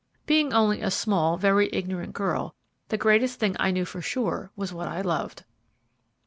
Being only a small, very ignorant girl, the greatest thing I knew for sure was what I loved.